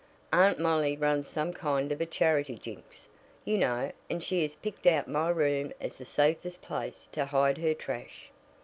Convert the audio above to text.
Aunt Molly runs some kind of a charity jinks, you know, and she has picked out my room as the safest place to hide her trash."